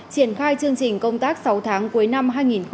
triển khai chương trình công tác sáu tháng cuối năm hai nghìn hai mươi